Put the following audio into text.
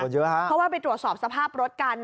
ขนเยอะครับครับเพราะว่าไปตรวจสอบสภาพรถกัน